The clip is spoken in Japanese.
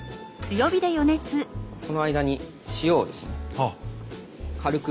この間に塩をですね軽く。